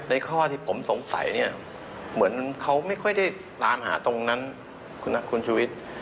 ข้อที่ผมสงสัยเนี่ยเหมือนเขาไม่ค่อยได้ตามหาตรงนั้นคุณชุวิต